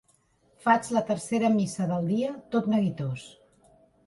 Faig la tercera missa del dia tot neguitós.